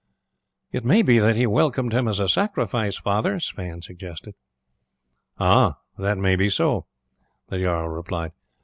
"It may be that he welcomed him as a sacrifice, father," Sweyn suggested. "Ah! that may be so," the jarl replied.